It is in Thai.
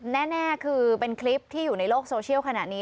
แน่คือเป็นคลิปที่อยู่ในโลกโซเชียลขณะนี้